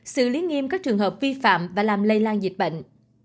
xử lý nghiêm các trường hợp vi phạm và làm lây lan dịch bệnh